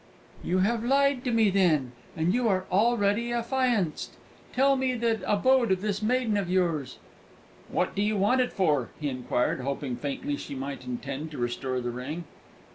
"You have lied to me, then, and you are already affianced! Tell me the abode of this maiden of yours." "What do you want it for?" he inquired, hoping faintly she might intend to restore the ring.